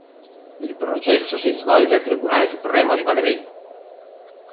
Il processo si svolge al Tribunale supremo di Madrid.